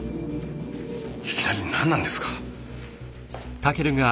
いきなりなんなんですか？